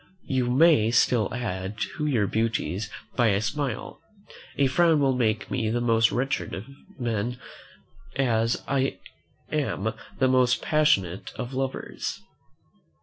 You may still add to your beauties by a smile. A frown will make me the most wretched of men, as I am the most passionate of lovers."